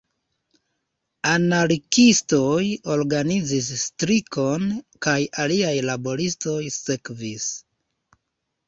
Anarkiistoj organizis strikon kaj aliaj laboristoj sekvis.